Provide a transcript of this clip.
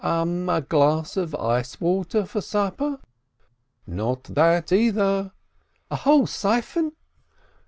A glass of ice water for supper?" "Not that, either." "A whole siphon?"